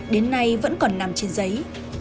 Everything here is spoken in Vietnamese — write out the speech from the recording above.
đến nay vẫn còn nằm trên giấy